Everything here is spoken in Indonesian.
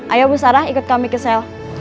ayo bu sarah ikut kami ke sel